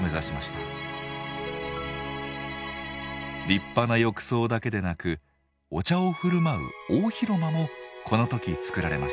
立派な浴槽だけでなくお茶を振る舞う大広間もこの時造られました。